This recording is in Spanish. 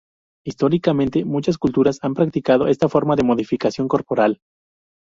Históricamente, muchas culturas han practicado esta forma de modificación corporal.